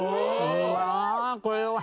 うわあこれは。